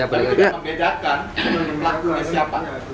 tidak membedakan pelakunya siapa